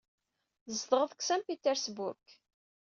Tzedɣed deg Saint Petersburg.